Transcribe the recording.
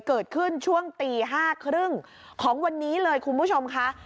เกิดขึ้นช่วงตี่ห้าครึ่งของวันนี้เลยคุณผู้ชมคะ